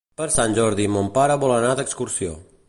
Per Sant Jordi mon pare vol anar d'excursió.